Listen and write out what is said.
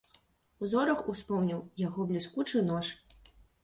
Зорах успомніў яго бліскучы нож.